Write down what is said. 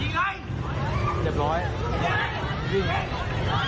เฮ้ยเฮ้ยเฮ้ย